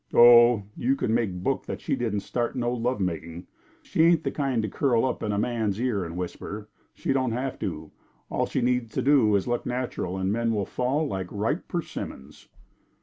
"Oh, you can make book that she didn't start no love making. She ain't the kind to curl up in a man's ear and whisper. She don't have to. All she needs to do is look natural; the men will fall like ripe persimmons."